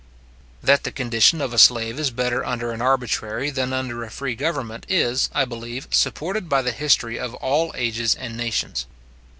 That the condition of a slave is better under an arbitrary than under a free government, is, I believe, supported by the history of all ages and nations.